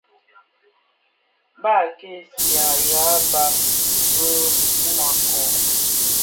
Baa (kisyea) yàa ban bì mum a kɔɔ.